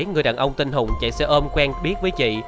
người đàn ông tên hùng chạy xe ôm quen biết với chị